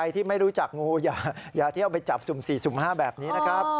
ที่ไม่รู้จักงูอย่าเที่ยวไปจับสุ่ม๔สุ่ม๕แบบนี้นะครับ